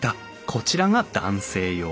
こちらが男性用。